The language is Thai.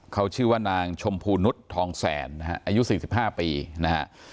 เขาชื่อว่านางชมพูนุษย์ทองแสนนะฮะอายุ๔๕ปีนะฮะ